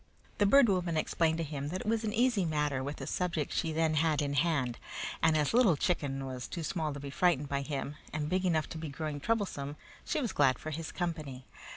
The Bird Woman explained to him that it was an easy matter with the subject she then had in hand; and as Little Chicken was too small to be frightened by him, and big enough to be growing troublesome, she was glad for his company.